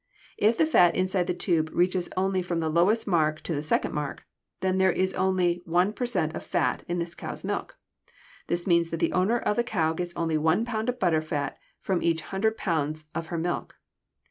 If the fat inside the tube reaches only from the lowest mark to the second mark, then there is only one per cent of fat in this cow's milk. This means that the owner of the cow gets only one pound of butter fat from each hundred pounds of her milk.